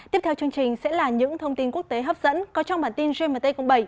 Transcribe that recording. tiếp theo chương trình sẽ là những thông tin quốc tế hấp dẫn có trong bản tin gmt cộng bảy